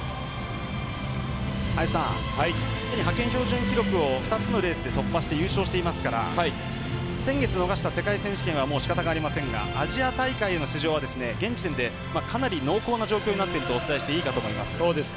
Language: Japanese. すでに派遣標準記録を２つのレースで突破して優勝していますから先月逃した世界選手権はもうしかたがありませんがアジア大会への出場は現時点でかなり濃厚な状況になっているとお伝えしていいかと思います。